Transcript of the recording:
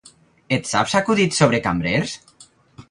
Et saps acudits sobre cambrers?